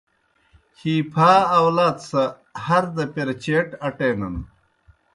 ہِی پھا آؤلات سہ ہر دہ پیر چیٹ آٹینَن۔